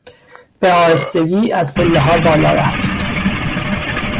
به آهستگی از پلهها بالا رفت.